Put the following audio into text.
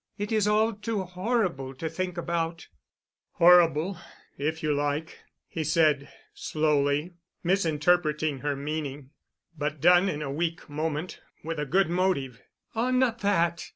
"It is all too horrible to think about——" "Horrible, if you like," he said slowly, misinterpreting her meaning, "but done in a weak moment with a good motive——" "Oh, not that.